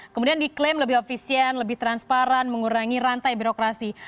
kemudian diklaim lebih efisien lebih transparan mengurangi rantai birokrasi